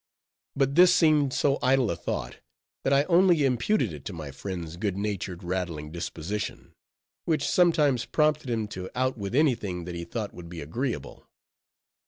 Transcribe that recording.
But this seemed so idle a thought, that I only imputed it to my friend's good natured, rattling disposition, which sometimes prompted him to out with any thing, that he thought would be agreeable.